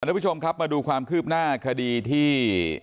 สวัสดีคุณผู้ชมครับมาดูความคืบหน้าคดีที่